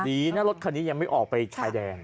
ดีนะรถคันนี้ยังไม่ออกไปชายแดน